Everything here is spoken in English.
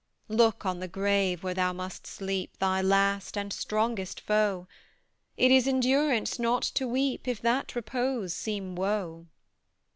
"Look on the grave where thou must sleep Thy last, and strongest foe; It is endurance not to weep, If that repose seem woe.